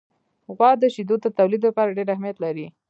غوا د شیدو د تولید لپاره ډېر اهمیت لري.